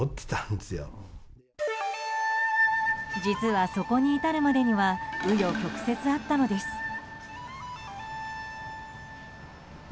実は、そこに至るまでには紆余曲折あったのです。